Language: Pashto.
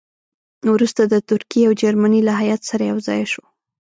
وروسته د ترکیې او جرمني له هیات سره یو ځای شو.